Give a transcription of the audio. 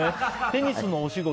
テニスのお仕事